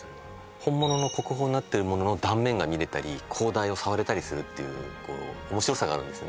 本物の国宝になってるものの断面が見れたり高台を触れたりするっていう面白さがあるんですよね